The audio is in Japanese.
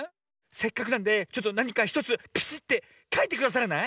せっかくなんでちょっとなにか１つピシッてかいてくださらない？